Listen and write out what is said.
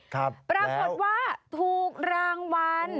ครับแล้วปรากฏว่าถูกรางวัล